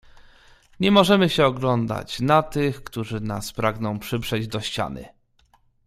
"Nie możemy się oglądać na tych, którzy nas pragną przyprzeć do ściany."